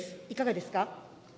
いかがですか。